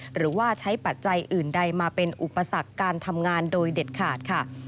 หรือว่าใช้ปัจจัยอื่นใดมาเป็นอุปสรรคการทำงานโดยเด็ดขาดค่ะ